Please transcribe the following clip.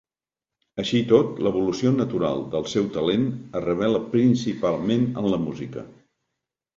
Així i tot, l'evolució natural del seu talent es revela principalment en la música.